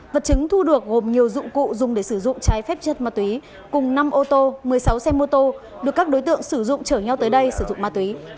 vật chứng thu được gồm nhiều dụng cụ dùng để sử dụng trái phép chất ma túy cùng năm ô tô một mươi sáu xe mô tô được các đối tượng sử dụng chở nhau tới đây sử dụng ma túy